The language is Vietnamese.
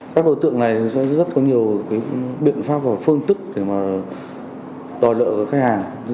các đối tượng này sẽ rất có nhiều biện pháp và phương tức để mà đòi nợ khách hàng